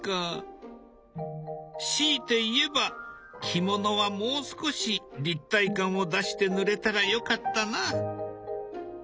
強いて言えば着物はもう少し立体感を出して塗れたらよかったな。